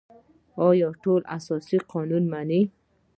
آیا ټول اساسي قانون مني؟